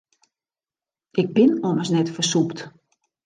Ik bin ommers net fersûpt.